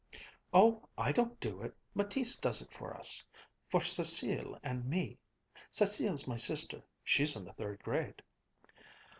"Oh, I don't do it. Mattice does it for us for Cécile and me Cécile's my sister. She's in the third grade."